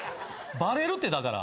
バレるってだから。